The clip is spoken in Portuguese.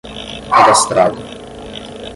cadastrado